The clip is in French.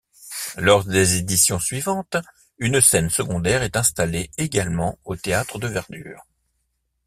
Lors des éditions suivantes, une scène secondaire est installée également au théâtre de verdure.